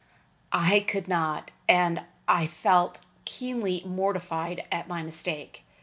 I could not; and I felt keenly mortified at my mistake.